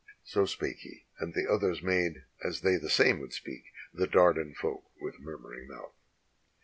So spake he, and the others made as they the same would speak, The Dardan folk with murmuring mouth.